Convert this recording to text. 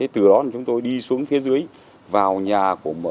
từ đó chúng tôi đi xuống phía dưới vào nhà của một